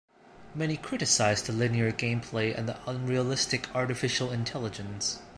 Many criticized the linear gameplay and the unrealistic artificial intelligence.